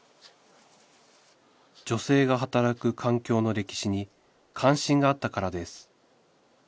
女性が働く環境の歴史に関心があったからです